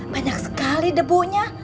banyak sekali debunya